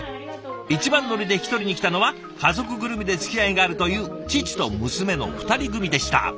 一番乗りで引き取りに来たのは家族ぐるみでつきあいがあるという父と娘の二人組でした。